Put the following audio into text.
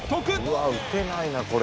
うわぁ打てないなこれ。